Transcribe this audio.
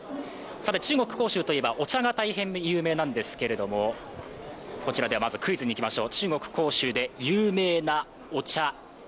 中国・杭州といえばお茶が大変有名なんですけども、まずクイズにいきましょう。